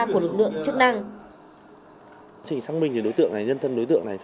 của lực lượng chức năng